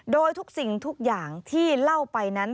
โดยทุกสิ่งทุกอย่างที่เล่าไปนั้น